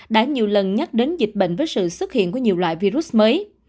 đã nhiều lần nhắc đến dịch bệnh với sự xuất hiện của nhiều loại virus mới